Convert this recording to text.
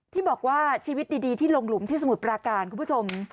ที่บอกว่าชีวิตดีที่ลงหลุมที่สมุทรปราการคุณผู้ชม